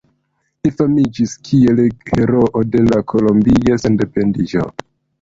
Li famiĝis kiel heroo de la kolombia sendependiĝo.